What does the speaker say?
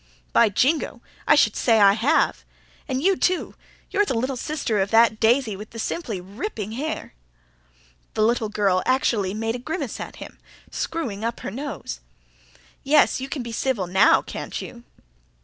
"By jingo! I should say I have. An' you, too. You're the little sister of that daisy with the simply ripping hair." The little girl actually made a grimace at him, screwing up her nose. "Yes, you can be civil now, can't you?"